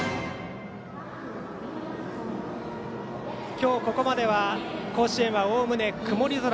今日ここまでは甲子園は、おおむね曇り空。